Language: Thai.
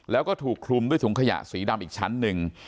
แล้วก็ถูกคลุมด้วยถุงขยะสีดำอีกชั้นหนึ่ง